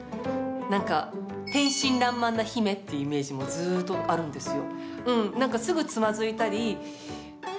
なんか天真らんまんな姫というイメージもずっとあるんですよ。